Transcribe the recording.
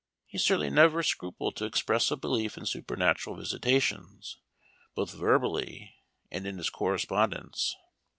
He certainly never scrupled to express a belief in supernatural visitations, both verbally and in his correspondence.